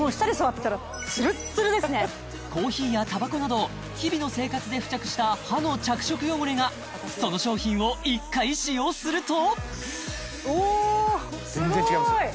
全然コーヒーやタバコなど日々の生活で付着した歯の着色汚れがその商品を１回使用するとおっすごい！